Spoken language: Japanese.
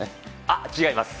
あ、違います。